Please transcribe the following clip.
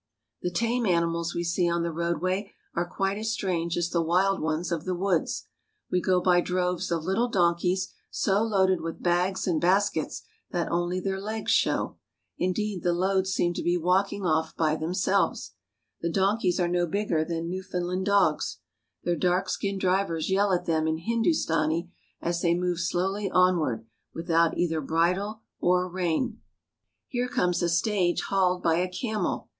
The tame animals we see on the roadway are quite as strange as the wild ones of the woods. We go by droves of little donkeys so loaded with bags and baskets that only their legs show. Indeed, the loads seem to be walking off by themselves. The donkeys are no bigger than New foundland dogs. Their dark skinned drivers yell at them in Hindustani as they move slowly onward, without either bridle or rein. CARP. ASIA — 18 294 THE NATIVE^ STATES OF INDIA Here comes a stage hauled by a camel.